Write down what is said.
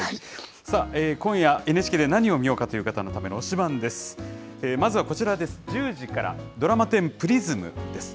さあ、今夜、ＮＨＫで何を見ようかという方のための、推しバンです。